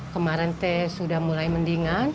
kemarin teh sudah mulai mendingan